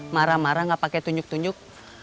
marah marah gak pake tunjuk tunjuk